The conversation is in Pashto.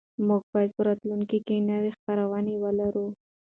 موږ به په راتلونکي کې نوې خپرونې ولرو.